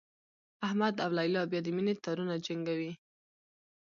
احمد او لیلا بیا د مینې تارونه جنګوي